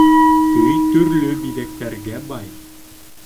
Көй төрлө биҙәктәргә бай